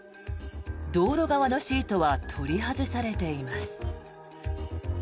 道路側のシートは取り外されています。